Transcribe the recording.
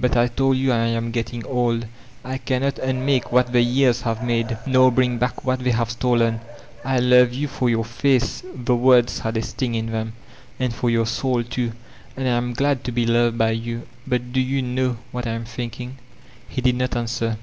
But I told you I am get ting okL I can not unmake what the years have made, nor bring back what they have stolen. I love you for yamt faa^', the words had a sting in them, ''and for your soul too. And I am glad to be k>ved by you. But, do you know what I am thinking y* He did not answer.